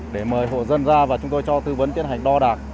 để mời hộ dân ra và chúng tôi cho tư vấn tiến hành đo đạc